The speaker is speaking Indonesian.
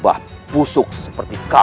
dan menangkan mereka